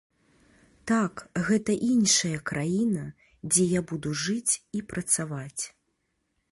Так, гэта іншая краіна, дзе я буду жыць і працаваць.